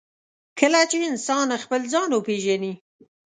کله چې انسان خپل ځان وپېژني.